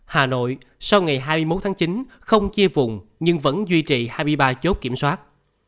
hà nội sau ngày hai mươi một tháng chín không chia vùng nhưng vẫn duy trì hai mươi ba chốt kiểm soát